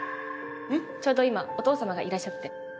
ちょうど今お父様がいらっしゃって。